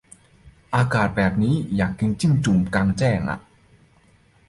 อากาศแบบนี้ อยากกินจิ้มจุ่มกลางแจ้งอ่ะ